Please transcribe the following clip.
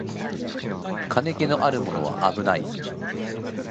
金気のものはあぶない